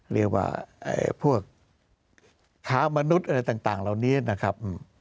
เรียกว่าพวกค้ามนุษย์อะไรต่างเหล่านี้นะครับ